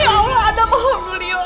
ya allah adam alhamdulillah